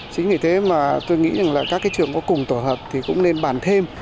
chính vì thế mà tôi nghĩ rằng là các cái trường có cùng tổ hợp thì cũng nên bàn thêm